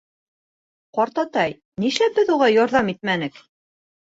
— Ҡартатай, нишләп беҙ уға ярҙам итмәнек?